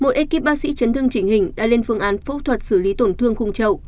một ekip bác sĩ chấn thương chỉnh hình đã lên phương án phẫu thuật xử lý tổn thương khung trậu